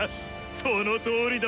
そのとおりだ